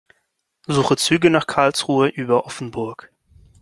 Suche Züge nach Karlsruhe über Offenburg.